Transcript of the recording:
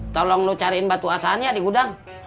tolong lo cariin batu asannya di gudang